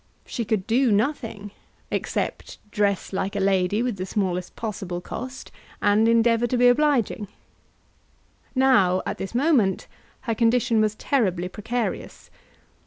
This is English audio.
She could do nothing, except dress like a lady with the smallest possible cost, and endeavour to be obliging. Now, at this moment, her condition was terribly precarious.